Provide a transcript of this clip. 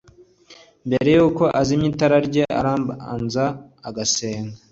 mbere yuko azimya itara rye arambanza agasenga